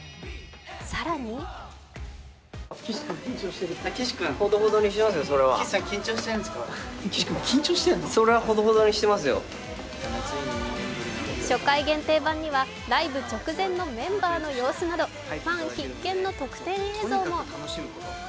更に初回限定盤にはライブ直前のメンバーの様子などファン必見の特典映像も。